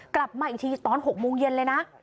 กลับมาอีกทีตอน๖โมงเย็นเลยนะ